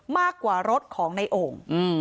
มากกว่ารถของในโอ่ง